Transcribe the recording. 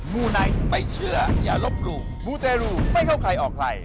มูไนท์ไม่เชื่ออย่าลบหลู่มูเตรูไม่เข้าใครออกใคร